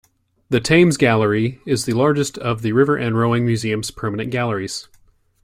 The Thames Gallery is the largest of the River and Rowing Museum's permanent galleries.